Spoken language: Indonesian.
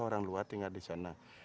orang luar tinggal di sana